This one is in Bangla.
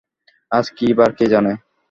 আজ কী বার কে জানে।